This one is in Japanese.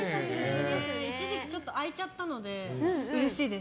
一時期ちょっとあいちゃったのでうれしいです。